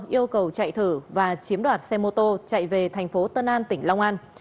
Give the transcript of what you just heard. yêu cầu chạy thử và chiếm đoạt xe mô tô chạy về tp tân an tỉnh long an